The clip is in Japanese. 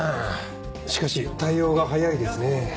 しかし対応が早いですね。